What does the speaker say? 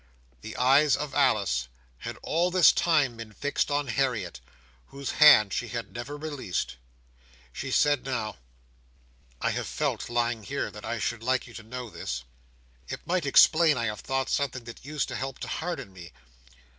The eyes of Alice had all this time been fixed on Harriet, whose hand she had never released. She said now: "I have felt, lying here, that I should like you to know this. It might explain, I have thought, something that used to help to harden me.